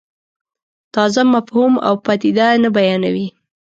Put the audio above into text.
تازه مفهوم او پدیده نه بیانوي.